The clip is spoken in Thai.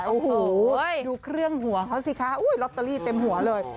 โอ้โหดูเครื่องหัวเขาสิคะลอตเตอรี่เต็มหัวเลย